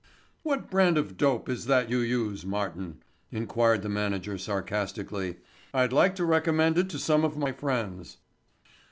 "What brand of dope is that you use, Martin?" inquired the manager sarcastically. "I'd like to recommend it to some of my friends."